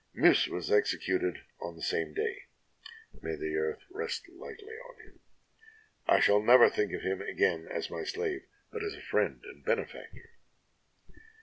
Miis was executed on the same day. May the earth rest lightly on him! I shall never think of him again as my slave, but as a friend and benefactor!